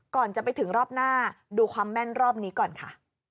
ก่อนจะไปถึงรอบหน้าดูความแม่นรอบนี้ก่อนค่ะ